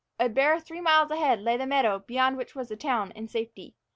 A bare three miles ahead lay the meadow beyond which was the town and safety.